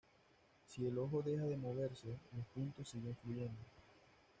Si el ojo deja de moverse, los puntos siguen fluyendo.